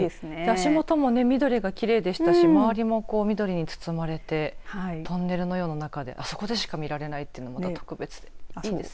足元も緑がきれいでしたし周りも緑に包まれてトンネルのような中であそこでしか見られないってまた特別でいいですね。